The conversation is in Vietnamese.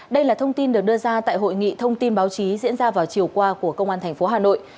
đây là thông tin được đưa ra tại hội nghị thông tin báo chí diễn ra vào chiều qua của công an tp hà nội